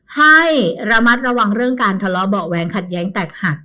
ให้ระมัดระวังเรื่องการทะเลาะเบาะแว้งขัดแย้งแตกหัก